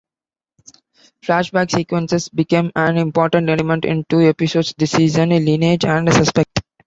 Flashback sequences became an important element in two episodes this season, "Lineage" and "Suspect".